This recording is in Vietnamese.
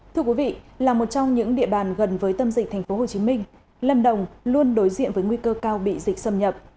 thưa quý vị là một trong những địa bàn gần với tâm dịch tp hcm lâm đồng luôn đối diện với nguy cơ cao bị dịch xâm nhập